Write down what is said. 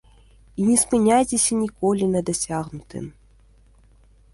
І не спыняйцеся ніколі на дасягнутым.